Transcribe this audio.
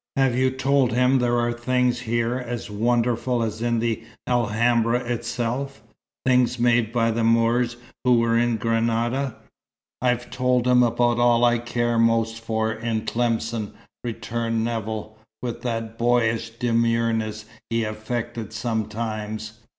Have you told him there are things here as wonderful as in the Alhambra itself, things made by the Moors who were in Granada?" "I've told him about all I care most for in Tlemcen," returned Nevill, with that boyish demureness he affected sometimes.